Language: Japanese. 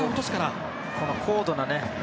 高度なね。